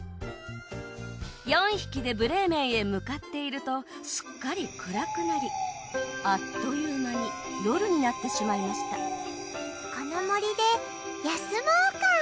４匹でブレーメンへ向かっているとすっかり暗くなりあっという間に夜になってしまいましたこの森で休もうか。